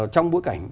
trong bối cảnh